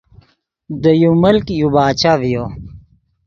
دے یو ملک یو باچہ ڤیو